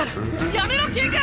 やめろキング！